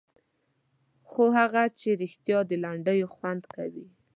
خو هغه چې رښتیا د لنډیو خوند کوي.